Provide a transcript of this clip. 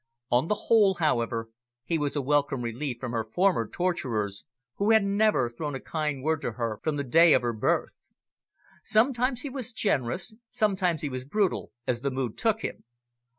On the whole, however, he was a welcome relief from her former torturers, who had never thrown a kind word to her from the day of her birth. Sometimes he was generous, sometimes he was brutal, as the mood took him.